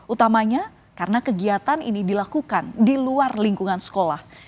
utamanya karena kegiatan ini dilakukan di luar lingkungan sekolah